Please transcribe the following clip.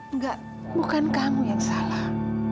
enggak bukan kamu yang salah